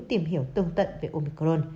tìm hiểu tương tận về omicron